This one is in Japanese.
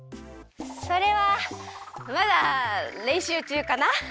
それはまだれんしゅうちゅうかな。